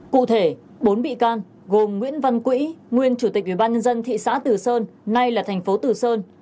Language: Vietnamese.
cụ thể bốn bị can gồm nguyễn văn quỹ nguyên chủ tịch ubnd thị xã từ sơn nay là thành phố tử sơn